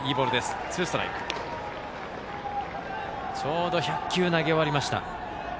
ちょうど１００球投げ終わりました。